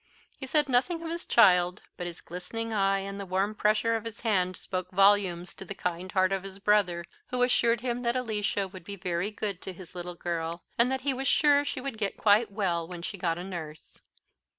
He said nothing of his child, but his glistening eye and the warm pressure of his hand spoke volumes to the kind heart of his brother, who assured him that Alicia would be very good to his little girl, and that he was sure she would get quite well when she got a nurse.